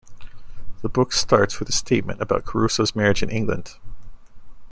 The book starts with the statement about Crusoe's marriage in England.